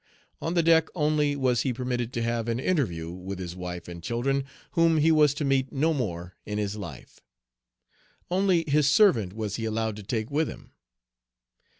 On the deck only was he permitted to have an interview with his wife and children, whom he was to meet no more in this life. Only his servant was he allowed to take with him.